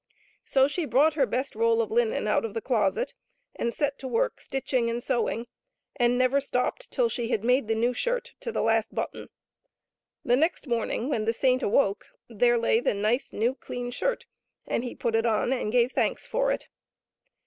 So she brought her best roll of linen out of the closet, and set to work stitching and sewing, and never stopped till she had made the new shirt to the last button. The next morning, when the saint awoke, there lay the nice, new, clean shirt, and he put it on and gave thanks for it.